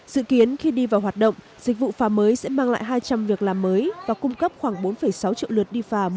dự kiến khi đi vào hoạt động dịch vụ phá mới sẽ mang lại hai trăm linh việc làm mới và cung cấp khoảng bốn sáu triệu lượt